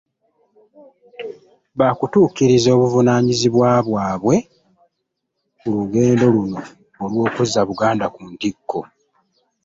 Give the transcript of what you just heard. Ba kutuukiriza obuvunaanyizibwa bwabwe ku lugendo lw'okuzza Buganda ku ntikko